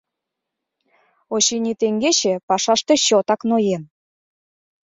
Очыни, теҥгече пашаште чотак ноен.